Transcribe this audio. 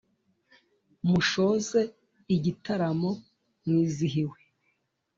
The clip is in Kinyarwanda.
mushoze igitaramo mwizihiwe